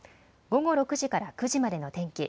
午後６時から９時までの天気。